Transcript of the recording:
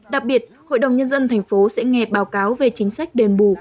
đặc biệt hội đồng nhân dân tp hcm sẽ nghe báo cáo về chính sách đền bù